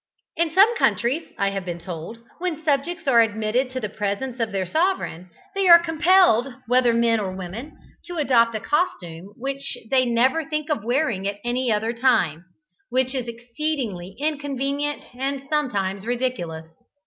In some countries, I have been told, when subjects are admitted to the presence of their sovereign, they are compelled, whether men or women, to adopt a costume which they never think of wearing at any other time, which is exceedingly inconvenient and sometimes ridiculous.